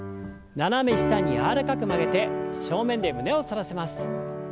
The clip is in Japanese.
斜め下に柔らかく曲げて正面で胸を反らせます。